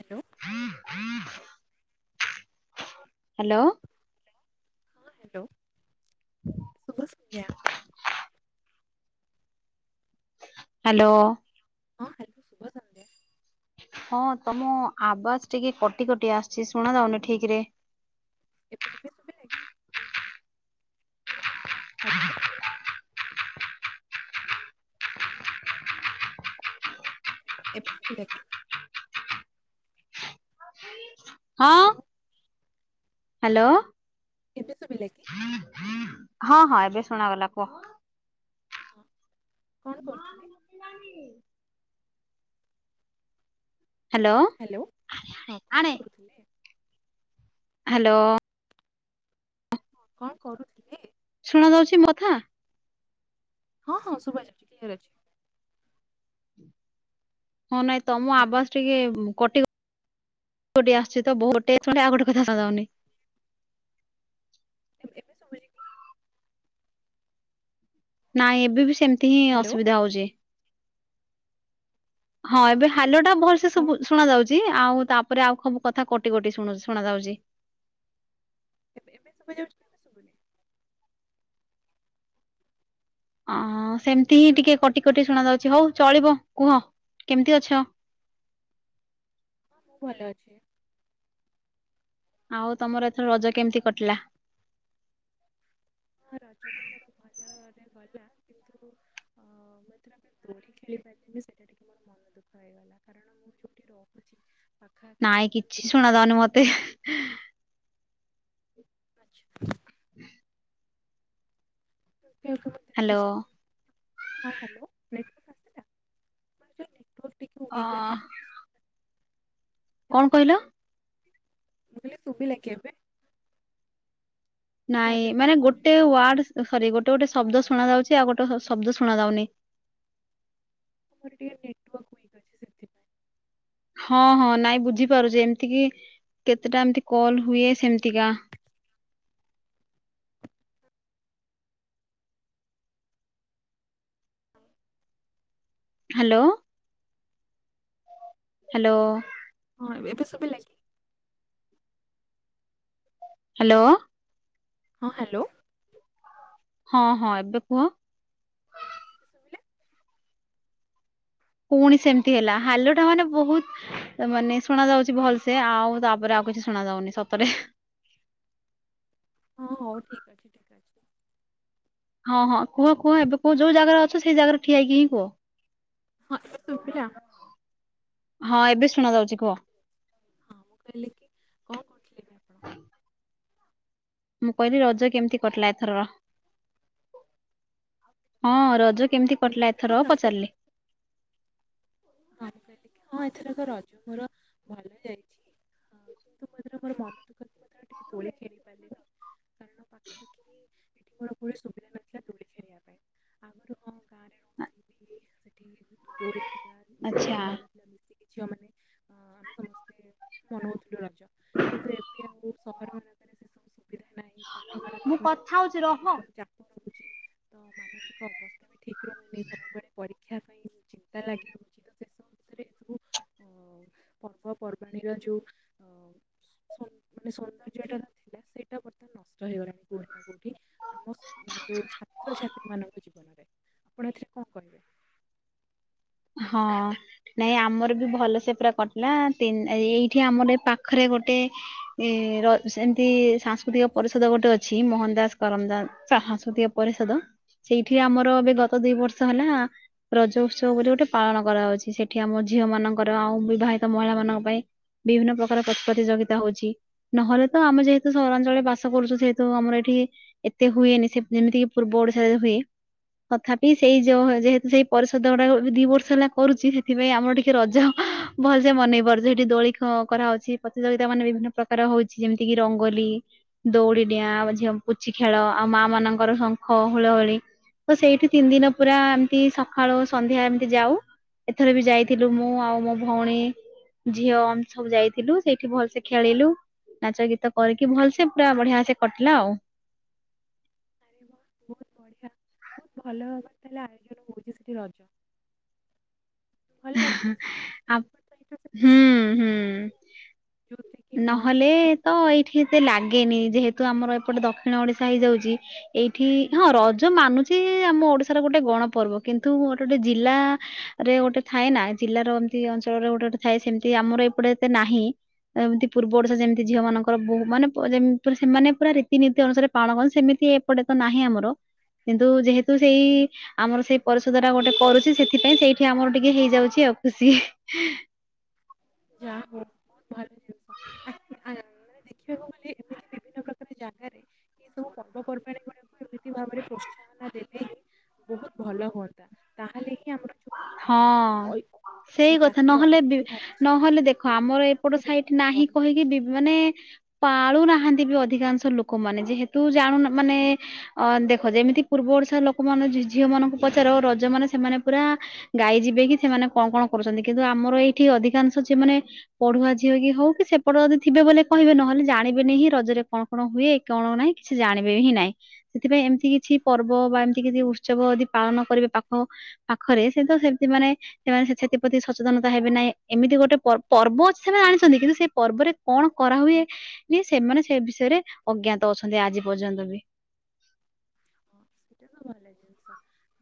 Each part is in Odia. Hello [unintelligible] hello? ହଁ ହାଲୋ ଶୁଭସନ୍ଧ୍ୟା। ହାଲୋ? ହଁ ହାଲୋ ଶୁଭସନ୍ଧ୍ୟା। ହଁ ତମ ଆବାଜ ଟିକେ କଟି କଟି ଆସଚି ଶୁଣା ଯାଉନି ଠିକରେ। ଏବେ ଏବେ ଶୁଭିଲା କି? ହାଲୋ? ଏବେ ଶୁଭିଲା କି? ହଁ। Hello hello? ଏବେ ଶୁଭିଲା କି? ହଁ ହଁ ଏବେ ଶୁଣାଗଲା କୁହ। ହଁ କଣ ମା କରୁଥିଲେ ମୁତିଲାଣି ହ୍ୟାଲୋ ହାଲୋ ହଁ କଣ କରୁଥିଲେ? ହାଲୋ। ହଁ କଣ କରୁଥୁଲେ? ଶୁଣାଯାଉଛି ମୋ କଥା? ହଁ ହଁ ଶୁଭାଯାଉଛି କ୍ଲିୟର୍ ଅଛି। ହଁ ନାଇଁ ତମ ହ୍ୟାଲୋ ଆବାସ୍ ଟିକେ ଉମ୍ କଟି-କ-କଟି ଆସଛି ତ ବହୁଟେ ଆଉ ଗୋଟେ କଥା ଯାଉନି। ଏବେ ଏବେ ଶୁଭୁଛି କି ନାଇଁ ଏବେବି ସେମତି ହିଁ ହ୍ୟାଲୋ ଅସୁବିଧା ହୋଉଚି। ହଁ ଏବେ ହାଲୋଟା ଭଲସେ ଆଚ୍ଛା ଶୁବୁ-ଶୁଣା ଯାଉଚ୍ ଚି ଆଉ ତାପରେ ଆଉ ଖବୁ କଥା କଟିକଟି ଶୁଣୁ-ଶୁଣାଯାଉଚି। ଏବେ-ଏବେ ଶୁଭାଯାଉଚି ନା ଏବେ ଶୁଭୁନି? ଅହଁ ସେମତି ହିଁ ଏବେ ମୋ ଟିକେ ଭଏସ କଟିକଟି ଶୁଣାଯାଉଚି ହୋଉ ଚଳିବ କୁହ କେମତି ଅଛ? ହଁ ମୁଁ ଭଲଅଛି। ଆଉ ତମର ଏଥର ରଜ କେମତି କଟିଲା? ହଁ ରଜ ତ ମୋର ଭଲରେ ଗଲା କିନ୍ତୁ ଅ-ମୁଁ ଏଥରକ ଦୋଳି ଖେଳି ନା ସେଇଟା ଟିକେ ମୋର ମନ ଦୁଃଖ ହେଇଗଲା କାରଣ ମୁଁ ଯୋଉଠି ରହୁଚି ନାଇଁ କିଛି ଶୁଣା ଯାଉନି ମତେ। ଆଚ୍ଛା। [inaudible] ଦେଖିବାକୁ ମୁଁ ହାଲୋ। ଦେଖୁଛି ହଁ ହ୍ୟାଲୋ [inaudible] ୱିକ୍ ଅଛି ତ ଓଃ। କଣ କହିଲ? ମୁ କହିଲି ଶୁଭିଲା କି ଏବେ? ନା ନାଇଁ ଏବେ ବି ମାନେ କଟୁଛି ଗୋଟେ ୱାର୍ଡ ସରି ଗୋଟ ଗୋଟେ ଗୋଟେ ଶବ୍ଦ ଶୁଣା ଯାଉଚି, ଆଉ ଗୋଟେ ଶବ୍ଦ ଶୁଣା ଯାଉନି। ମୋର ଟିକେ ନେଟୱାର୍କ ଉଇକ ଅଛି ସେଥିପାଇଁ। ହଁ ହଁ ନାଇଁ ବୁଝିପାରୁଚି ଏମିତି କି। କେତେଟା ଏମତି କଲ ହୁଏ ସେମତିକା। [inaudible] ହାଲୋ। ହାଲୋ। ହଁ ଏ ଏବେ ଶୁଭିଲା କି? ହାଲୋ। ହଁ ହାଲୋ। ହଁ ହଁ ଏବେ କୁହ। ଶୁଭିଲା ପୁଣି ସେମିତି ହେଲା ହାଲୋଟା ମାନେ ବହୁତ ମାନେ ଶୁଣା ଯାଉଚି ଭଲସେ ଆଉ ତାପରେ ଆ ଆଉ କିଛି ଶୁଣା ଯାଉନି ସତରେ। ହଁ ହଉ ଠିକ ଅଛି ଠିକ ଅଛି। ହଁ ହଁ କୁହ କୁହ ଏବେ କୁହ ଯୋଉ ଜାଗାରେ ଅଛ ସେଇ ଜାଗାରେ ଠିଆଇକି ହିଁ କୁହ। ହଁ ଏବେ ଶୁଭିଲା? ହଁ ଏବେ ଶୁଣା ଯାଉଚି କୁହ। ହଁ ମୁଁ କହିଲି କି କଣ କରୁଥିଲେ ଏବେ? ମୁଁ କହିଲି ରଜ କେମିତି କଟିଲା ଏଥରର ହଁ। ରଜ ହଁ ମୁଁ କେମିତି କହିଲି କଟିଲା କି ହଁ ଏଥର ରଜ ପଚାରିଲି? ହଁ ହଁ ଏଥରକ ରଜ ମୋର ଭଲ ରେ ଯାଇଛି ହଁ। କିନ୍ତୁ ମୁଁ ଏଥର ମୋର ମନ ଦୁଃଖ ଥିଲା ଟିକେ ଦୋଳି ଖେଳି ପାରିଲିନି କାରଣ ପାଖ ପାଖାପାଖି ଏଠି ଗୋର ସୁବିଧା ନଥିଲା ଦୂଳି ଖେଳିବାକୁ। ହଁ। ସେଠି ଦୋଳି ଆଚ୍ଛା। ଝିଅ ମାନେ ନଉଥିଲୁ ରଜ କିନ୍ତୁ ଏବେ ଆଉ ସହରମାନଙ୍କରେ ସେସବୁ ସୁବିଧା ନାହିଁ ପାଠ ପଢ଼ାର ମୁଁ ପୁଣି କଥା ଅ, ହଉଚି ରହ। ଉପରୁ ଚାପ ରହୁଛି ତ ମାନସିକ ଅବସ୍ଥା ବି ଠିକ୍ ରହୁନି ସବୁବେଳେ [inaudible] ପରୀକ୍ଷା ପାଇଁ ଚିନ୍ତା ଲାଗି ରହୁଛି ତ ସେସବୁ ବିଷୟରେ ପାଣିର ଯୋଉ ମାନେ ସୌନ୍ଦର୍ଯ୍ୟ ଟା ନ ଥିଲା। ସେଇଟା ବର୍ତ୍ତମାନ ନଷ୍ଟ ହେଇଗଲାଣି କୋଉଠି ନା କୋଉଠି ଆମ ଯୋଉ ଛାତ୍ରଛାତ୍ରୀ ମାନଙ୍କ ଜୀବନରେ ଆପଣ ଏଥିରେ କଣ କହିବେ? ହଁ ନାଇଁ ଆମର ବି ଭଲ ସେ ପୁରା କଟିଲା ତିନ ଏଇଠି ଆମର ଏଇ ପାଖରେ ଗୋଟେ ଏ ର ଏମିତି ସାଂସ୍କୃତିକ ପରିଷଦ ଗୋଟେ ଅଛି ମୋହନ ଦାସ କରମ ଦାସ ସାହସ୍କୃତିକ ପରିଷଦ ସେଇଠି ଆମର ହଁ, ଏବେ ଗତ ଦି ବର୍ଷ ହେଲା ରଜ ଉତ୍ସବ ବୋଲି ଗୋଟେ ପାଳନ କରାଯାଉଚି। ସେଠି ଆମ ଝିଅ ମାନଙ୍କର ଆଉ ବିବାହିତ ମହିଳା ମାନଙ୍କ ପାଇଁ ବିଭିନ୍ନ ପ୍ରକାର ପ୍ରତି ପ୍ରତିଯୋଗିତା ହଉଚି ନହେଲେ ତ ଆମେ ଯେହେତୁ ସହରାଞ୍ଚଳରେ ବାସ କରୁଛୁ ଯେହେତୁ ଆମର ଏଠି ଏତେ ହୁଏନି ସେ ଯେମିତିକ ପୂର୍ବ ଓଡିଶାରେ ହୁଏ। ତଥାପି ସେଇ ଯଉ ଯେହେତୁ ସେଇ ପରିଷଦ ଗୁଡା ଦି ବର୍ଷ ହେଲା କରୁଚି ସେଥିପାଇଁ ଆମର ଟିକେ ରଜ ଭଲସେ ମନେଇ ପାରୁଛୁ। ସେଠି ଦୋଳି କରାହଉଚି, ପ୍ରତିଯୋଗି ବିଭିନ୍ନ ପ୍ରକାର ହଉଚି ଯେମିତିକିି ରଙ୍ଗୋଲି ଦଉଡି ଡିଆଁ ଆମ ଝିଅ ପୁଚି ଖେଳ ଆଉ ମା ମାନ ମାନଙ୍କର ଶଙ୍ଖ ହୁଳ ହୁଳି ତ ସେଇଠି ତିନି ଦିନ ପୁରା ଏମିତି ସକାଳୁ ସନ୍ଧ୍ୟା ଏମିତି ଯାଉ। ଏଥର ବି ଯାଇଥିଲୁ ମୁଁ ଆଉ ମୋ ଭଉଣୀ। ଝିଅ ଆମେ ସବୁ ଯାଇଥିଲୁ ସେଇଠି ଭଲସେ ଖେଳିଲୁ। ନାଚ ଗୀତ କରିକି ଭଲସେ ପୁରା ବଢିଆ ସେ କଟିଲା ଆଉ। ଆରେ ବା ବଢିଆ ବହୁତ ଭଲ ଭାବରେ ହେଲା ଆୟୋଜନ ହଉଚି ସେଠି ରଜ। ଭଲ ଲାଗିଲା ଶୁଣିକି ଆମ ଆ ଏପଟେ ତ ଏଇଟା ସେମିତି ହୁଁ କୌଣସି ହୁଁ। ଜିନିଷ ଯୋଉଥିରେ କି ହଁ ନହେଲେ ତ ଏଇଠି ଏତେ ଲାଗେନି ଯେହେତୁ ଆମର ଏପଟେ ଦକ୍ଷିଣ ଓଡିଶା ହେଇଯାଉଚି ଏଇଠି ହଁ ରଜ ମାନୁଚି ଆମ ଓଡିଶାର ଗୋଟେ ଗଣପର୍ବ କିନ୍ତୁ ଗୋଟେ ଗୋଟେ ଜିଲ୍ଲା ରେ ଗୋଟେ ଥାଏ ନା ଜିଲ୍ଲାର ଏମିତି ଅଞ୍ଚଳରେ ଗୋଟେ ଗୋଟେ ଥାଏ ସେମିତି ଆମର ଏପଟେ ଏତେ ନାହିଁ ଏମିତି ପୂର୍ବ ଓଡିଶା ଯେ ମିତି ଝିଅ ମାନଙ୍କର ବହୁ ମାନେ-ପ-ଯେମି ପୁରା ସେମାନେ ପୁରା ରୀତିନୀତି ଅନୁସାରେ ପାଳନ କରନ୍ତି ସେମିତି ଏପଟେ ତ ନାହିଁ ଆମର। କିନ୍ତୁ ଯେହେତୁ ସେଇ ଆମର ସେଇ ପରିଶୋଧ ଟା ଗୋଟେ କରୁଚି ସେଥିପାଇଁ ସେଇଠି ଆମର ଟିକେ ହେଇଯାଉଚି ଆଉ ଖୁସି। ଯା ହଉ [inaudible] ଦେଖିବାକୁ ଗଲେ [unintelligible] ପ୍ରକାର ଜାଗାରେ ଏ ସବୁ ପର୍ବପର୍ବାଣୀ ଗୁଡ଼ାକରେ ଏମିତି ଭାବରେ ପ୍ରୋତ୍ସାହନ ଦେଲେ ହିଁ। ବହୁତ ଭଲ ହୁଅନ୍ତା ତାହେଲେ ହିଁ ଆମର ହଁ। ଯୋଉ ଐ ସେଇ ମାନେ କଥା ଜାତୀୟ ନହେଲେ ବି ଐତିହ୍ୟ ଅଛି ନହେଲେ ଦେଖ ଆମର ସେଇଟା ଏପଟ ସାଇଟ ନାହିଁ ରହିବ କହିକି ବି ମାନେ ପାଳୁନାହାନ୍ତି ବି ଅଧିକାଂଶ ଲୋକ ମାନେ ଯେହେତୁ ଜାଣୁ ମାନେ ଅ ଦେଖ ଯେମିତି ପୂର୍ବ ଓଡିଶାର ଲୋକମାନେ ଜି-ଝିଅ ମାନଙ୍କୁ ପଚାର ରଜ ମାନ ସେମାନେ ପୁରା ଗାଈ ଯିବେ କି ସେମାନେ କଣ କଣ କରୁଚନ୍ତି କିନ୍ତୁ ଆମର ଏଇଠି ଅଧିକାଂଶ ଝିଅମାନେ ପଢୁଆ ଝିଅ କି ହଉ କି ସେ ସେପଟ ଯଦି ଥିବେ ବୋଲେ କହିବେ ନହେଲେ ଜାଣିବେନି ହିଁ ରଜରେ କଣ କଣ ହୁଏ କଣ ନାହିଁ କିଛି ଜାଣିବେ ହିଁ ନାହିଁ। ସେଥିପାଇଁ ଏମିତି କିଛି ପର୍ବ ବା ଏମିତି କିଛି ଉତ୍ସବ ଯଦି ପାଳନ କରିବେ ପାଖ ପାଖରେ ତ ସେମିତି ମାନେ ସେମାନେ ସେ ସାଥି ପ୍ରତି ସଚେତନତା ହେବେ ନାଇଁ ଏମିତି ଗୋଟେ ପ-ପର୍ବ ଅଛି ସେମାନେ ଜାଣିଛନ୍ତି କିନ୍ତୁ ସେ ପର୍ବରେ କଣ କରାହୁଏ ନି ସେମାନେ ସେ ବିଷୟରେ ଅଜ୍ଞାତ ଅଛନ୍ତି ଆଜି ପର୍ଯ୍ୟନ୍ତ ବି। ହ ସେଇଟା ତ ଭଲ ଜିନିଷ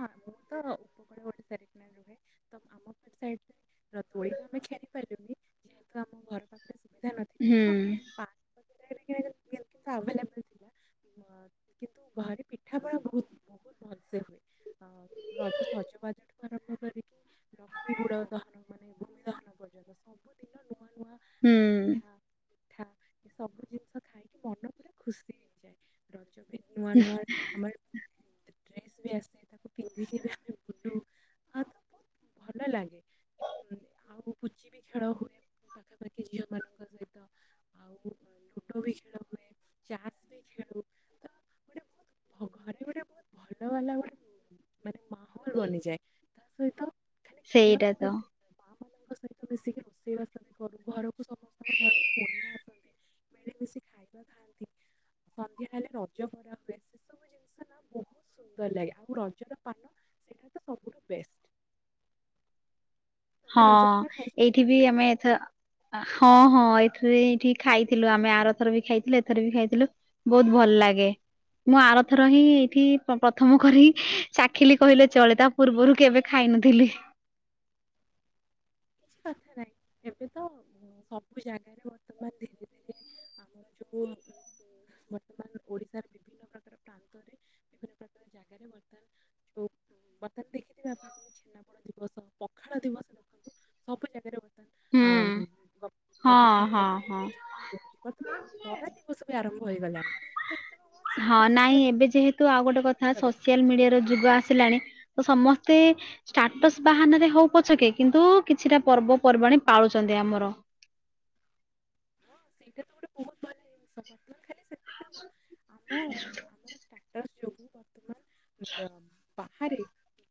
ହଁ ମୁ ତ ଉପକୂଳାରଖ ରୁହେ। ତ ଆମ ପଟ ସାଇଡ ରେ [unintelligible] ହୁଁ। ହଁ ପାର୍କ ବଗେରାରେ କିନ୍ତୁ ଆଭେଲେବଲ ଥିଲା କିନ୍ତୁ ଘରେ ପିଠାପଣା ବହୁତ ବହୁତ ଭଲସେ ହୁଏ। ରଜ ସଜବାଜଠୁ ଆରମ୍ଭ କରିକି ଲକ୍ଷ୍ମୀ ବୁଡ ଦହନ ମାନେ ଭୂମି ଦହନ ପର୍ଯ୍ୟନ୍ତ ସବୁଦିନ ନୂଆ ନୂଆ ହୁଁ। ପିଠା ପିଠା ଏ ସବୁ ଜିନିଷ ଖାଇକି ମନ ପୁରା ଖୁସି ହେଇଯାଏ। ରଜ ବି ନୂଆ ହୁଁ। ନୂଆ ଆମର ଡ୍ରେସ୍ ବି ଆସେ ତାକୁ ପିନ୍ଧିକି ବି ଆମେ ବୁଲୁ ଆଉ ତ ବହୁତ ଭଲ ଲାଗେ। ଉଁ, ଆଉ ପୁଚି ଖେଳ ହୁଏ ପାଖାପାଖି ଝିଅ ମାନଙ୍କର। ଖେଳ ହୁଏ ଚାସ୍ ବି ଖେଳୁ ତ ଗୋଟେ ବହୁତ ଭ- ଘରେ ଗୋଟେ [unintelligible] ଭୁଲ ବନିଯାଏ। ତା ସହିତ ଖାଲି ଖେଳ ଆଉ ସେଇଟାତ। ଏଥିରେ ମା ମାନଙ୍କ ସହିତ ମିଶିକି ରୋଷେଇବାସ ବି କରୁ ଘରକୁ ସମସ୍ତଙ୍କ ଘରକୁ କୁଣିଆ ଆସନ୍ତି ମିଳିମିଶି ଖାଇବା ଖାଆନ୍ତି ସନ୍ଧ୍ୟା ହେଲେ ରଜ କରା ହୁଏ ସେ ସବୁ ଜିନିଷ ନା ବହୁତ ସୁନ୍ଦର ଲାଗେ ଆଉ ରଜର ପାନ। ସେଇଟା ତ ସବୁଠୁ ବେଷ୍ଟ ହଁ ତମେ ରଜ ପାନ ଖାଇଛ ନା ଏଇଠି ଖାଇନ? ବି ଆମେ ଏଥ ହଁ ହଁ ଏଥିରେ ଏଠି ଖାଇଥିଲୁ ଆମେ ଆରଥର ବି ଖାଇଥିଲୁ ଏଥର ବି ଖାଇଥିଲୁ ବହୁତ ଭଲ। ଲାଗେ। ମୁଁ ଆରଥର ହିଁ ଏଇଠି ପ୍ରଥମ କରି ଚାଖିଲି କହିଲେ ଚଳେ ତା ପୂର୍ବରୁ କେବେ ଖାଇ ନଥିଲି। କିଛି କଥା ନାହିଁ ଏବେ ତ ସବୁ ଜାଗାରେ ବର୍ତ୍ତମାନ। ଧୀରେ ଧୀରେ ଆମର ଯୋଉ ବର୍ତ୍ତମାନ ଓଡିଶାର ବିଭିନ୍ନ ପ୍ରକାର ପ୍ରାନ୍ତରେ ବିଭିନ୍ନ ପ୍ରକାର ଜାଗାରେ ବର୍ତ୍ତମାନ ଯୋଉ ବର୍ତ୍ତମାନ ଦେଖିଥିବେ ଆପଣ ଯେମିତି ଛେନାପୋଡ ଦିବସ ପଖାଳ ଦିବସ ରଖନ୍ତୁ ସବୁ ଜାଗାରେ ବର୍ତ୍ତମାନ ହୁଁ ବର୍ତ୍ତମାନ ହଁ ସରକାର ତାକୁ ପ୍ରୋତ୍ସାହନ ଦଉଛି ହଁ ବର୍ତ୍ତମାନ ବରା ହଁ। ଆରମ୍ଭ ହେଇଗଲାଣି। ଏସବୁ ବହୁତ ହଁ ସୁନ୍ଦର ନାଇଁ ସୁନ୍ଦର ଏବେ ଜିନିଷ ଯେହେତୁ ଆଉ ଗୋଟେ କଥା କରିବା ସୋସିଆଲ ମିଡିଆର ଯୁଗ ଆସିଲାଣି ତ ସମସ୍ତେ। ଷ୍ଟାଟସ ବାହାନାରେ ହଉ ପଛକେ କିନ୍ତୁ କିଛିଟା ପର୍ବପର୍ବାଣୀ ପାଳୁଚନ୍ତି ଆମର। ହଁ ସେଇଟା ତ ଗୋଟେ ବହୁତ ଭଲ ଜିନିଷ ବର୍ତ୍ତମାନ ଖାଲି ସେତିକି ନୁହଁ ଆମ ଆମର [inaudible] ଷ୍ଟାଟସ ଯୋଗୁ ବର୍ତ୍ତମାନ ଝା ବାହାରେ ମାନେ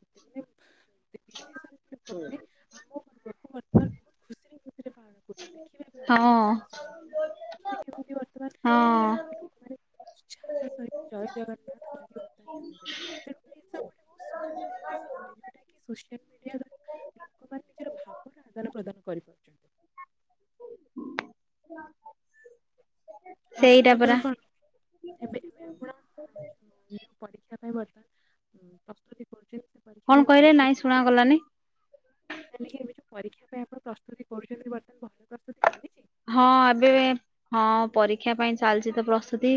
ବିଦେଶରେ ଲୋକମାନେ ଆମ ପର୍ବକୁ ବର୍ତ୍ତମାନ ନିହାତି। ବହୁତ ଖୁସିରେ ଖୁସିରେ ପାଳନ କରୁଛନ୍ତି ଦେଖିବେ ଏବେ ରଥଯାତ୍ରା ଆସୁଛି ଦେଖିବେ ହଁ, କେମିତି ବର୍ତ୍ତମାନ ବିଦେଶର ଲୋକମାନେ ଉତ୍ସାହର ସହିତ ହଁ, ଜୟ ଜଗନ୍ନାଥ। କହିକି ବର୍ତ୍ତମାନ ଝୁମିବେ ତେଣୁକରି ଏସବୁ ଗୋଟେ ବହୁତ ସୁନ୍ଦର ଜିନିଷ ଅଟେ ଯୋଉଟା [inaudible] ସୋସିଆଲ ମିଡିଆ ଦ୍ଵାରା ଲୋକମାନେ ନିଜର ଭାବର ଆଦାନ ପ୍ରଦାନ କରିପାରୁଛନ୍ତି। ଆଉ ଏବେ ସେଇଟା ଆପଣ ପରା କଣ? ଏବେ ଏବେ ଆପଣ ଯୋଉ ଯଉଁ ପରୀକ୍ଷା ପାଇଁ ବର୍ତ୍ତମାନ ଉଁ, ପ୍ରସ୍ତୁତି କରୁଛନ୍ତି ସେ ପରୀକ୍ଷା କଣ ପାଇଁ ଭଲ କହିଲେ ପ୍ରି- ନାଇଁ ଶୁଣା ପ୍ରସ୍ତୁତି ଗଲାନି? କାଲିକି ଏବେ ଯୋଉ ପରୀକ୍ଷା ପାଇଁ ଆପଣ ପ୍ରସ୍ତୁତି କରୁଛନ୍ତି ବର୍ତ୍ତମାନ ଭଲ ପ୍ରସ୍ତୁତି ଚାଲିଛି? ହଁ, ଏବେ ହଁ ପରୀକ୍ଷା ପାଇଁ ଚାଲିଛି ତ ପ୍ରସ୍ତୁତି।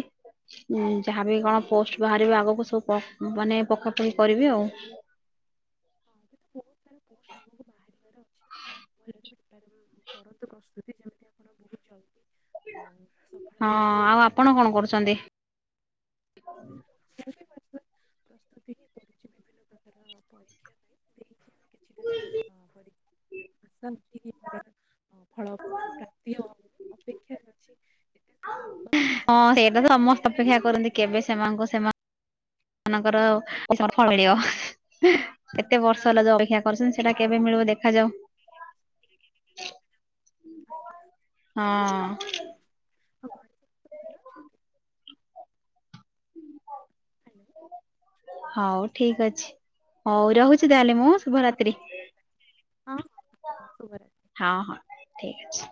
ଯାହାବି କଣ ପୋଷ୍ଟ ବାହାରିବ, ଆଗକୁ ସବୁ ମାନେ ପକା ପକି କରିବି ଆଉ। ହୁଁ ଅଛି। ଭଲରେ ପ୍ରିପାର କରନ୍ତୁ ପ୍ରସ୍ତୁତି ଯେମିତି ଆପଣ ବହୁତ ଜଲ୍ଦି ଅ, ସଫଳତା ହଁ ଆଉ ପାଇଯାଆନ୍ତୁ ମୁଁ ଆପଣ କଣ କରୁଛନ୍ତି? [inaudible] ବି ବର୍ତ୍ତମାନ ପ୍ରସ୍ତୁତି ହିଁ କରୁଛି ବିଭିନ୍ନ ପ୍ରକାର ପରୀକ୍ଷା ପାଇଁ ଦେଇଛି ଆମେ କିଛିଟା ଅ, [inaudible] ପରୀକ୍ଷା ଆଶା ଅଛି କି ଭଲର ଅ, ଫଳ ପ୍ରାପ୍ତି ହଉ ଅପେକ୍ଷାରେ ଅଛି ଏତେ ସାରା ଲମ୍ବା ତାର ହଁ ସେଇଟା ତ ଅଛି ନା ସମସ୍ତେ ଅପେକ୍ଷା ବିଭିନ୍ନ କରନ୍ତି। ତାର କେବେ ସୋପାନ ସେମାନଙ୍କୁ ସେମାନ ମାନଙ୍କର ସଫଳ ମିଳିବ। ଏତେ ବର୍ଷ ହେଲା ଯୋଉ ଅପେକ୍ଷା କରିୁଛନ୍ତି। ସେଟା କେବେ ମିଳିବ ଦେଖାଯାଉ। [inaudible] ଦେଖା ଯାଉ। ହଁ। ଆଉ ଘରେ ସମସ୍ତେ ଭଲ ଅଛନ୍ତି? ହ୍ୟାଲୋ ହଉ ଠିକ୍ ଅଛି। ହଉ ରହୁଛି ତାହେଲେ ମୁଁ, କଥା ଶୁଭରାତ୍ରୀ। ହେଇ ଭଲ ହଁ। ହଁ ହଁ ଶୁଭରାତ୍ରି। ହଁ ହଁ ଠିକ୍ ଅଛି।